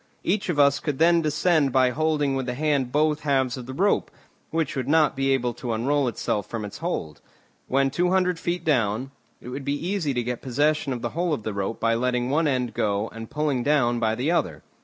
Each of us could then descend by holding with the hand both halves of the rope, which would not be able to unroll itself from its hold; when two hundred feet down, it would be easy to get possession of the whole of the rope by letting one end go and pulling down by the other.